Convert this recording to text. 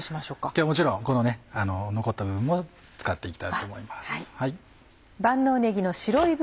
今日はもちろんこの残った部分も使って行きたいと思います。